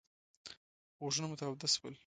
غوږونه مو تاوده شول.